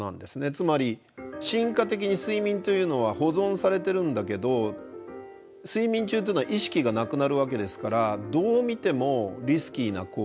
つまり進化的に睡眠というのは保存されてるんだけど睡眠中というのは意識がなくなるわけですからどう見てもリスキーな行動。